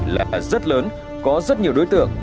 là rất lớn có rất nhiều đối tượng